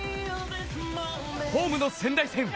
ホームの仙台戦。